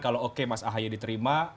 kalau oke mas ahaye diterima